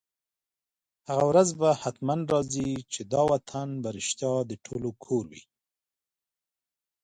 هغه ورځ به حتماً راځي، چي دا وطن به رشتیا د ټولو وي